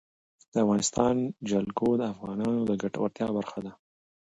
د افغانستان جلکو د افغانانو د ګټورتیا برخه ده.